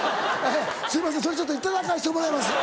すいませんそれちょっと頂かせてもらいます。